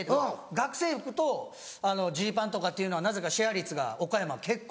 学生服とジーパンとかっていうのはなぜかシェア率が岡山結構。